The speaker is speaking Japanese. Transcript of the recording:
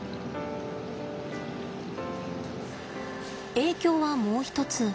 影響はもう一つ。